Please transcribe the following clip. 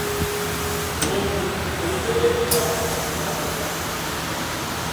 Ente eremereddwa okunywa amazzi.